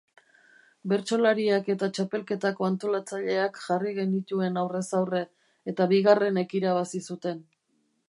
Bertsolariak eta txapelketako antolatzaileak jarri genituen aurrez aurre, eta bigarrenek irabazi zuten.